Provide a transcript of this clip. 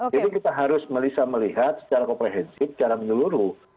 jadi kita harus melisa melihat secara komprehensif secara menyeluruh